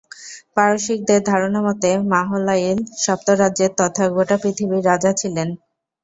পারসিকদের ধারণা মতে, মাহলাঈল সপ্তরাজ্যের তথা গোটা পৃথিবীর রাজা ছিলেন।